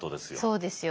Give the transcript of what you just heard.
そうですよ。